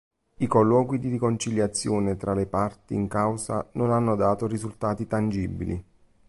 I colloqui di riconciliazione tra le parti in causa non hanno dato risultati tangibili.